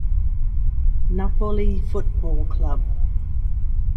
Napoli football club.